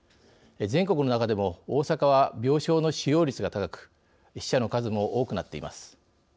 全国の中でも大阪は病床の使用率が高く死者の数も多くなっています。